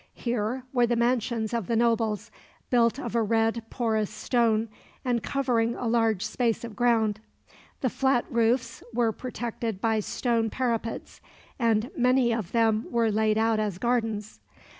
Here were the mansions of the nobles, built of a red porous stone and covering a large space of ground. The flat roofs were protected by stone parapets, and many of them were laid out as gardens.